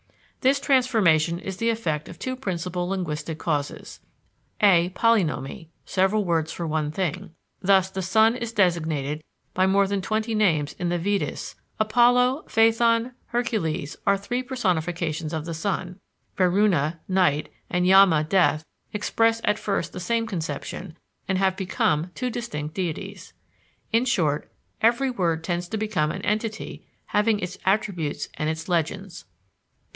This transformation is the effect of two principal linguistic causes (a) Polynomy; several words for one thing. Thus the sun is designated by more than twenty names in the Vedas; Apollo, Phaethon, Hercules are three personifications of the sun; Varouna (night) and Yama (death) express at first the same conception, and have become two distinct deities. In short, every word tends to become an entity having its attributes and its legends.